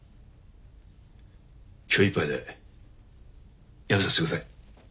今日いっぱいでやめさせてください。